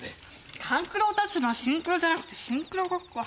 勘九郎たちのはシンクロじゃなくてシンクロごっこ。